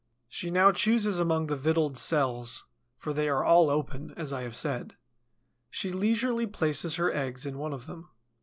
She now chooses among the victualed cells, for they are all open, as I have said; she leisurely places her eggs in one of them.